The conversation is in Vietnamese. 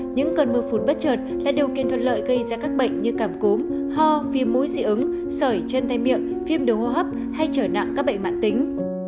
những cơn mưa phụn bất chợt là điều kiện thuận lợi gây ra các bệnh như cảm cúm ho viêm mũi dị ứng sởi chân tay miệng viêm đường hô hấp hay trở nặng các bệnh mạng tính